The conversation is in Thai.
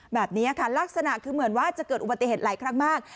แบบนี้ค่ะลักษณะคือเหมือนว่าจะเกิดอุบัติเหตุหลายครั้งมาก